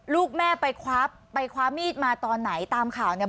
ลูกแม่ไปควับไปคว้ามีดมาตอนไหนตามข่าวเนี่ย